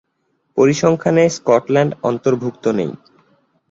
পরিসংখ্যানে Scotland অন্তর্ভুক্ত নেই।